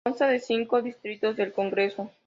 Consta de cinco distritos del congreso.